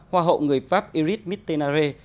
hoa hậu người pháp iris mittenare